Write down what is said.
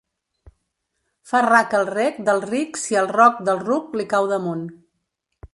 Fa rac el rec del ric si el roc del ruc li cau damunt.